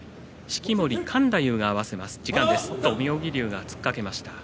妙義龍が突っかけました。